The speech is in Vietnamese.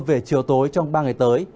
về chiều tối trong ba ngày tới